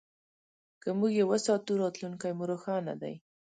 که موږ یې وساتو، راتلونکی مو روښانه دی.